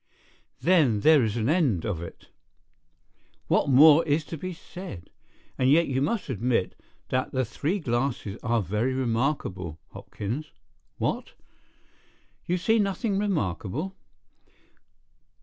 "Then there is an end of it. What more is to be said? And yet, you must admit, that the three glasses are very remarkable, Hopkins. What? You see nothing remarkable?